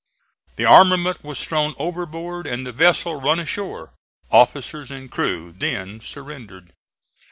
The armament was thrown overboard and the vessel run ashore. Officers and crew then surrendered.